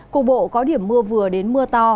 cục bộ có điểm mưa vừa đến mưa to